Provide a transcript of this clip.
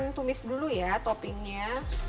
menumis dulu ya toppingnya